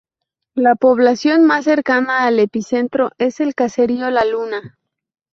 La población más cercana al epicentro es el caserío La Luna.